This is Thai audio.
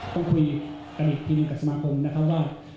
ต้องคุยกับอีกทีมกับสมาครคุณนะครับว่า